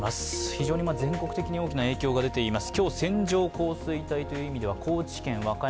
非常に全国的に大きな影響が出ています。